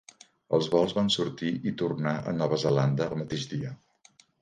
Els vols van sortir i tornar a Nova Zelanda el mateix dia.